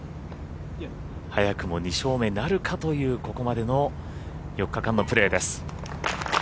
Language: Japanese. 早くも２勝目なるかというここまでの４日間のプレーです。